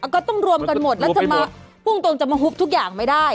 ก็ต้องรวมกันหมดแล้วจะมาพูดตรงจะมาฮุบทุกอย่างไม่ได้